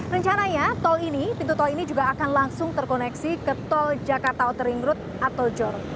rencananya pintu tol ini juga akan langsung terkoneksi ke tol jakarta otering route atau jor